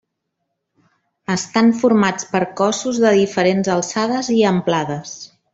Estan formats per cossos de diferents alçades i amplades.